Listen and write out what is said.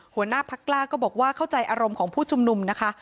หัวหน้าพักกล้าก็บอกว่าเข้าใจอารมณ์ของผู้ชุมนุมนะคะ